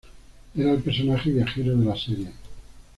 Era el personaje viajero de la serie.